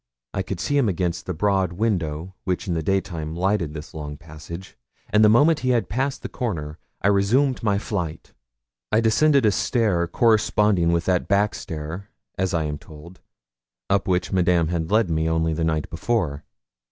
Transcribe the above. I could see him against the broad window which in the daytime lighted this long passage, and the moment he had passed the corner I resumed my flight. I descended a stair corresponding with that backstair, as I am told, up which Madame had led me only the night before.